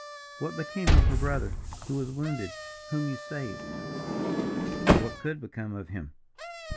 what became of her brother who was wounded whom you saved?" "What could become of him?